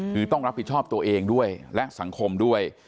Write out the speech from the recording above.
คือต้องรับผิดชอบตัวเองด้วยและสังคมด้วย